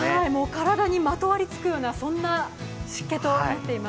体にまとわりつくようなそんな湿気となっています。